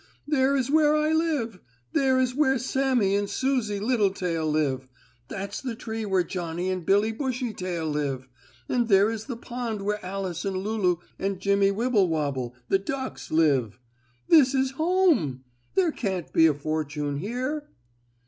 There is where I live there is where Sammie and Susie Littletail live that's the tree where Johnnie and Billie Bushytail live, and there is the pond where Alice and Lulu and Jimmie Wibblewobble, the ducks, live! This is home! There can't be a fortune here!"